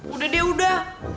udah deh udah